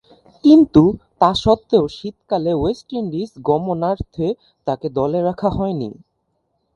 কিন্তু, তাসত্ত্বেও শীতকালে West Indies গমনার্থে তাকে দলে রাখা হয়নি।